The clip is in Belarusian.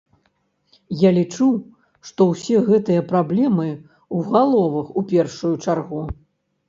Я лічу, што ўсе гэтыя праблемы ў галовах у першую чаргу.